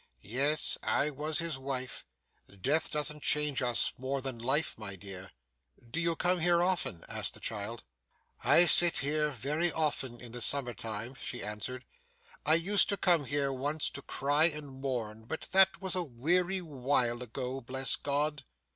Yes, I was his wife. Death doesn't change us more than life, my dear.' 'Do you come here often?' asked the child. 'I sit here very often in the summer time,' she answered, 'I used to come here once to cry and mourn, but that was a weary while ago, bless God!